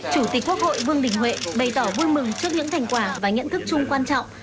chủ tịch quốc hội vương đình huệ bày tỏ vui mừng trước những thành quả và nhận thức chung quan trọng